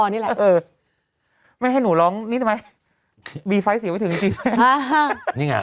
นี่แหละเออไม่ให้หนูลองนี่ทำไมบีฟ้ายเสียไว้ถึงจริงจริง